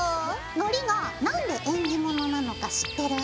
のりが何で縁起物なのか知ってる？